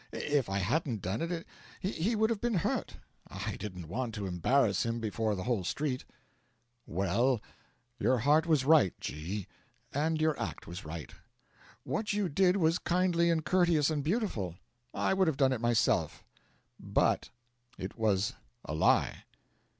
If I hadn't done it he would have been hurt. I didn't want to embarrass him before the whole street.' 'Well, your heart was right, G , and your act was right. What you did was kindly and courteous and beautiful; I would have done it myself; but it was a lie.'